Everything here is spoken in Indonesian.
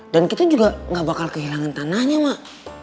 dan kita juga gak bakal kehilangan tanahnya mak